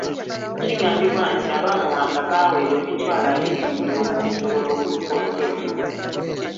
Kigambibwa nti abaamuwamba baaweebwa emitwalo abiri buli omu okusobola okuluka olukwe luno.